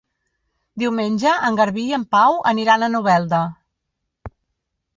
Diumenge en Garbí i en Pau aniran a Novelda.